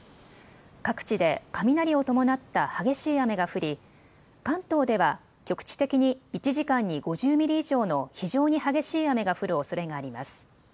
各地で雷を伴った激しい雨が降り関東では局地的に１時間に５０ミリ以上の非常に激しい雨が降るおそれがあります。